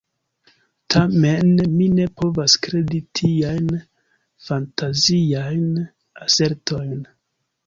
Tamen mi ne povas kredi tiajn fantaziajn asertojn.